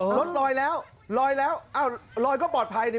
รถลอยแล้วลอยแล้วอ้าวลอยก็ปลอดภัยนี่